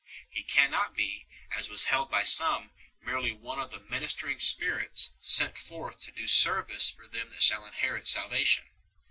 He can not be, as was held by some, merely one of the ministering spirits sent forth to do service for them that shall inherit salva tion 2